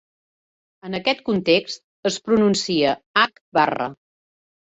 En aquest context, es pronuncia "h-barra".